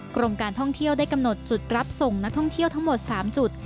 กรมการท่องเที่ยวได้กำหนดจุดรับส่งนักท่องเที่ยวทั้งหมด๓จุด